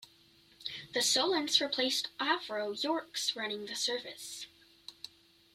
The Solents replaced Avro Yorks running the service.